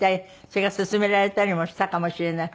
それから勧められたりもしたかもしれない。